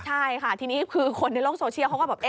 ใช่ค่ะทีนี้คือคนในโลกโซเชียลเขาก็แบบ